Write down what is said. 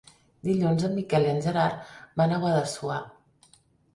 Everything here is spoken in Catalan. Dilluns en Miquel i en Gerard van a Guadassuar.